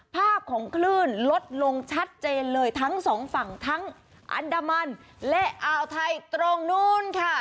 ภาพของคลื่นลดลงชัดเจนเลยทั้งสองฝั่งทั้งอันดามันและอ่าวไทยตรงนู้นค่ะ